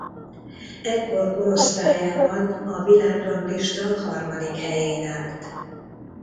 Ekkor korosztályában a világranglista harmadik helyén állt.